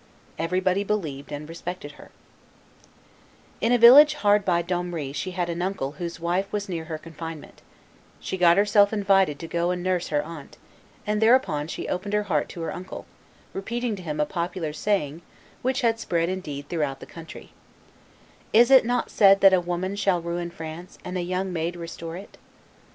Everybody believed and respected her. [Illustration: Joan of Arc in her Father's Garden 91] In a village hard by Domremy she had an uncle whose wife was near her confinement; she got herself invited to go and nurse her aunt, and thereupon she opened her heart to her uncle, repeating to him a popular saying, which had spread indeed throughout the country: "Is it not said that a woman shall ruin France, and a young maid restore it?"